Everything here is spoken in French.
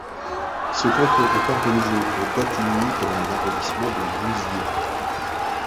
Ce canton est organisé autour d'Attigny dans l'arrondissement de Vouziers.